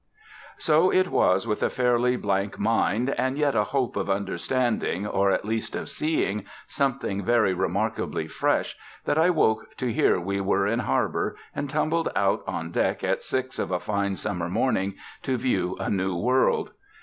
So it was with a fairly blank mind, and yet a hope of understanding, or at least of seeing, something very remarkably fresh, that I woke to hear we were in harbour, and tumbled out on deck at six of a fine summer morning to view a new world.